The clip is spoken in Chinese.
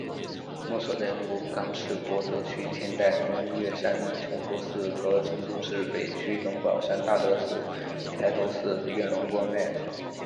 墓所在福冈市博多区千代横岳山崇福寺和京都市北区龙宝山大德寺搭头寺院龙光院。